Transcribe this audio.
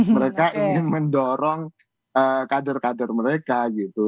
mereka ingin mendorong kader kader mereka gitu